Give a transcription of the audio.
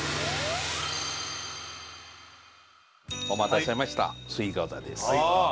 お待たせしました水餃子です。